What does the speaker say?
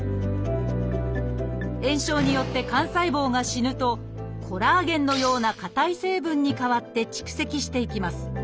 炎症によって肝細胞が死ぬとコラーゲンのような硬い成分に変わって蓄積していきます。